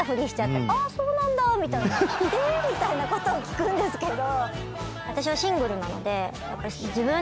みたいなことを聞くんですけど。